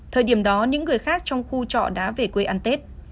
thời điểm đó những người khác trong khu trọ đã về quê ăn tết